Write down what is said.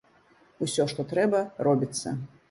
Усё, што трэба, робіцца.